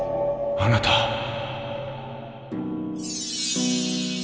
あなたは。